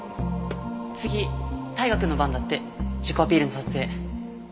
次大我くんの番だって自己アピールの撮影。